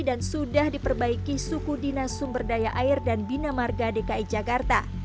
dan sudah diperbaiki suku dinasumberdaya air dan bina marga dki jakarta